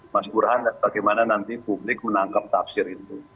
mas burhan bagaimana nanti publik menangkap tafsir itu